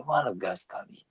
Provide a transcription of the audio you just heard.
wah lega sekali